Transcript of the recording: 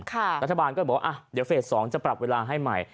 รัฐบาลก็บอกว่าเดี๋ยวเฟส๒จะปรับเวลาให้ใหม่